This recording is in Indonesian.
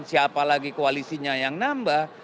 siapa lagi koalisinya yang nambah